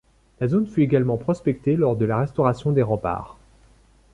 La zone fut également prospectée lors de la restauration des remparts.